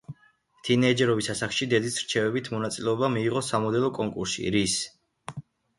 თინეიჯერობის ასაკში დედის რჩევებით მონაწილეობა მიიღო სამოდელო კონკურსში, რის შემდეგაც დაიწყო მისი კარიერა.